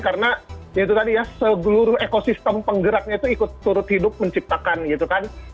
karena itu tadi ya segeluruh ekosistem penggeraknya itu ikut turut hidup menciptakan gitu kan